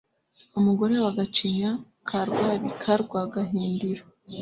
umugore wa Gacinya ka Rwabika rwa Gahindiro